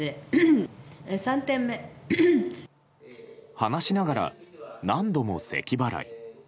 話しながら、何度もせき払い。